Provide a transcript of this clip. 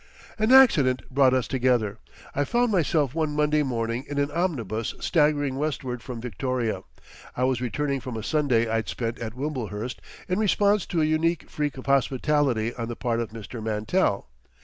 An accident brought us together. I found myself one Monday morning in an omnibus staggering westward from Victoria—I was returning from a Sunday I'd spent at Wimblehurst in response to a unique freak of hospitality on the part of Mr. Mantell.